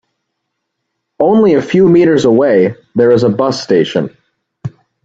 Only a few meters away there is a bus station.